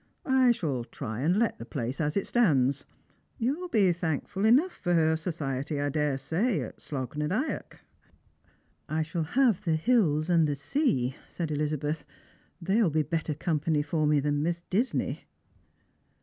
I shall try and let the place as it stands. You'U be thankful enough for her society, I daresay, at Slogh na Dyack." " I shall have the hills and the sea," said Elizabeth ;" they ■will be better company for me than Miss Disney."